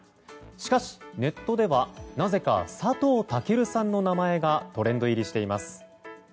しかし、ネットではなぜか佐藤健さんの名前がトレンド入りしています。